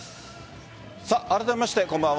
あらためまして、こんばんは。